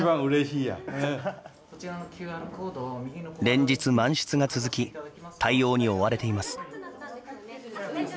連日満室が続き対応に追われています。